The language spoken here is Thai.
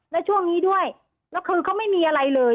แล้วช่วงนี้ด้วยเขาไม่มีอะไรเลย